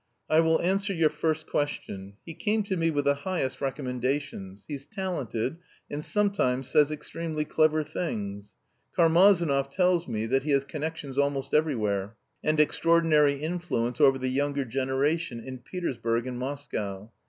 "I will answer your first question. He came to me with the highest recommendations. He's talented, and sometimes says extremely clever things. Karmazinov tells me that he has connections almost everywhere, and extraordinary influence over the younger generation in Petersburg and Moscow.